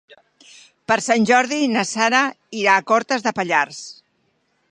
Per Sant Jordi na Sara irà a Cortes de Pallars.